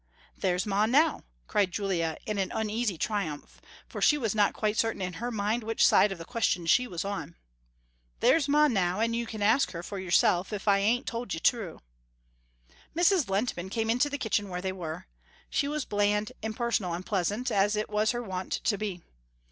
"There's ma now," cried Julia in an uneasy triumph, for she was not quite certain in her mind which side of the question she was on. "There's ma now, and you can ask her for yourself if I ain't told you true." Mrs. Lehntman came into the kitchen where they were. She was bland, impersonal and pleasant, as it was her wont to be.